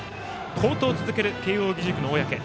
好投を続ける慶応義塾の小宅。